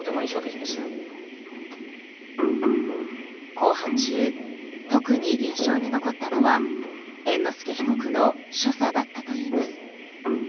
公判中、特に印象に残ったのは猿之助被告の所作だったといいます。